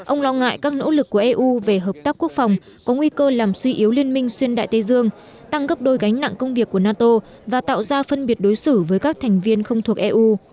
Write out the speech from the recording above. ông lo ngại các nỗ lực của eu về hợp tác quốc phòng có nguy cơ làm suy yếu liên minh xuyên đại tây dương tăng gấp đôi gánh nặng công việc của nato và tạo ra phân biệt đối xử với các thành viên không thuộc eu